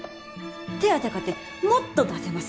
手当かてもっと出せます。